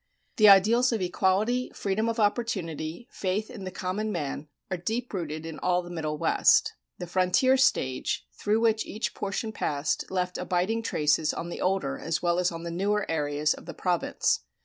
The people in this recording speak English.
The ideals of equality, freedom of opportunity, faith in the common man are deep rooted in all the Middle West. The frontier stage, through which each portion passed, left abiding traces on the older, as well as on the newer, areas of the province.